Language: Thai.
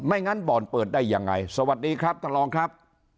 งั้นบ่อนเปิดได้ยังไงสวัสดีครับท่านรองครับ